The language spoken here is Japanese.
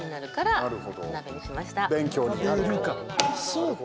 そうか。